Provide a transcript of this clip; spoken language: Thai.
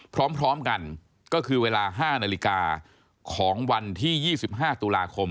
พร้อมกันก็คือเวลา๕นาฬิกาของวันที่๒๕ตุลาคม